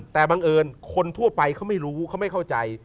แต่บังเอิญคนทั่วไปเขาไม่รู้เขาไม่เข้าใจ